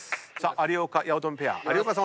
有岡・八乙女ペア有岡さん